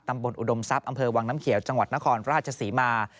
อุดมทรัพย์อำเภอวังน้ำเขียวจังหวัดนครราชศรีมา